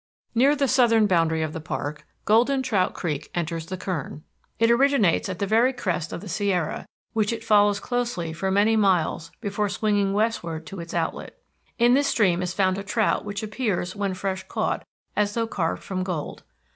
Near the southern boundary of the park, Golden Trout Creek enters the Kern. It originates at the very crest of the Sierra, which it follows closely for many miles before swinging westward to its outlet. In this stream is found a trout which appears, when fresh caught, as though carved from gold.